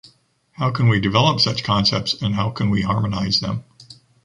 How can we develop such concepts, and how can we harmonize them?